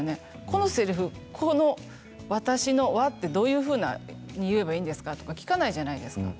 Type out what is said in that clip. このせりふ私の「わ」というのはどういうふうに言えばいいんですかって聞かないじゃないですか。